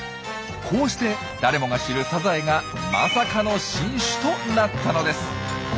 こうして誰もが知るサザエがまさかの新種となったのです。